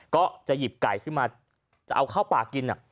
ก็จะหยิบไก่ขึ้นมาจะเอาข้าวปากกิน